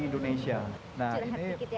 indonesia nah ini